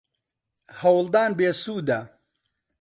هەوڵدان بێسوودە.